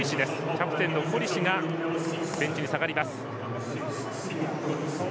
キャプテンのコリシがベンチに下がります。